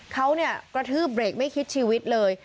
เขาเนี่ยกระทืบเบรกไม่คิดชีวิตเลย